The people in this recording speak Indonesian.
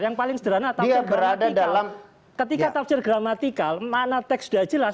yang paling sederhana ketika tafsir gramatikal makna teks sudah jelas